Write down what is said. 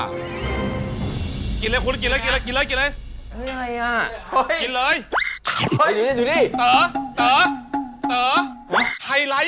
กินเลยคุณพี่